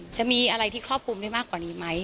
จะมีอะไรที่ครอบคลุมได้มากกว่านี้ไหม